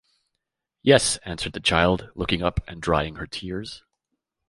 "Yes," answered the child, looking up and drying her tears.